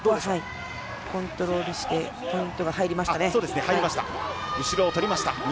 コントロールしてポイントが入りましたね。